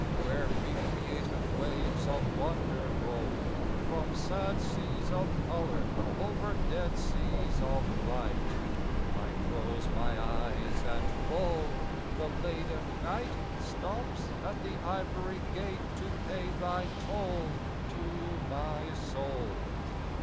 Where recreative waves of wonder roll From sad seas of color over dead seas of light I close my eyes and lo, the laden Night Stops at the ivory gate to pay thy toll To my soul.